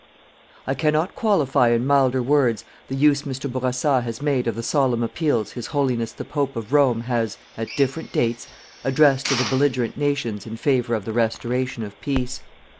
I cannot qualify in milder words the use Mr. Bourassa has made of the solemn appeals His Holiness the Pope of Rome has, at different dates, addressed to the belligerent nations in favour of the restoration of peace.